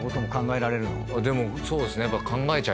でもそうですね。